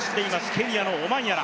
ケニアのオマンヤラ。